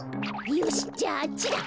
よしじゃああっちだ。